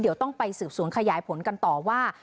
เดี๋ยวต้องไปสืบสวนขยายผลกันต่อว่า